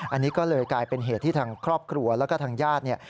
อันนี้ก็เลยกลายเป็นเหตุที่ทางครอบครัวแล้วก็ทางญาติเนี่ย